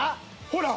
ほら。